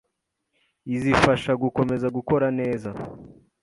izifasha gukomeza gukora neza